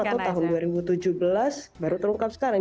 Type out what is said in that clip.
atau tahun dua ribu tujuh belas baru terungkap sekarang